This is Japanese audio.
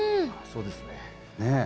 そうですね。